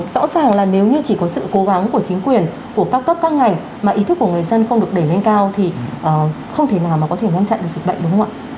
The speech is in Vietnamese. rõ ràng là nếu như chỉ có sự cố gắng của chính quyền của các cấp các ngành mà ý thức của người dân không được đẩy lên cao thì không thể nào mà có thể ngăn chặn được dịch bệnh đúng không ạ